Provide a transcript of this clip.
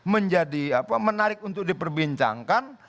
menjadi apa menarik untuk diperbincangkan